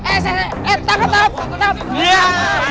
eh eh eh eh takut takut takut